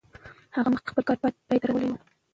هغه مخکې لا خپل کار پای ته رسولی و.